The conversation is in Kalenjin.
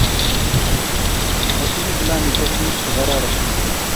Atinye kilamisyek muut che kororon